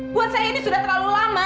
buat saya ini sudah terlalu lama